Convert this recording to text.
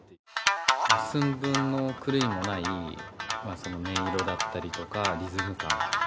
寸分の狂いもない音色だったりとか、リズム感。